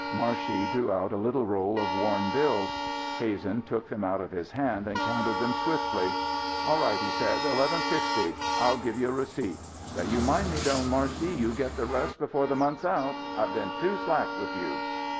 Marshey drew out a little roll of worn bills. Hazen took them out of his hand and counted them swiftly. "All right." he said. "Eleven fifty. I'll give you a receipt. But you mind me, Doan Marshey, you get the rest before the month's out. I've been too slack with you."